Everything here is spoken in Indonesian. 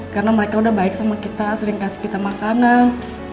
karena mereka udah baik sama kita sering kasih kita makanan